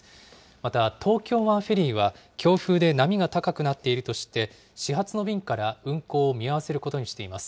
また、東京湾フェリーは、強風で波が高くなっているとして、始発の便から運航を見合わせることにしています。